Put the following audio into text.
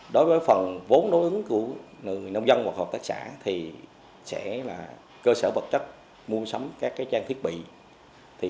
đối với phần vốn đối ứng của người nông dân hoặc hợp tác xã thì sẽ là cơ sở vật chất mua sắm các trang thiết bị